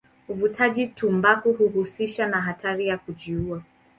Uvutaji tumbaku huhusishwa na hatari ya kujiua.